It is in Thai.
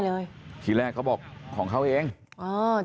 นี่ค่ะทีแรกเค้าบอกค่องเขาเองลองไห้เลย